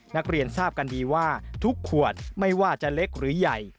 นักเรียนทราบกันดีว่าทุกขวดไม่ว่าจะเล็กหรือใหญ่